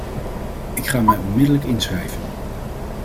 Ik ga mij onmiddellijk inschrijven!